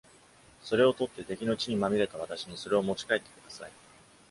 それを取って、敵の血にまみれた私にそれを持ち帰ってください。